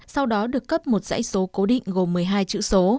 sau đó được cấp một dãy số cố định gồm một mươi hai chữ số